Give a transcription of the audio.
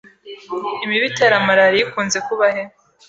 imibu itera malaria ikunze kuba he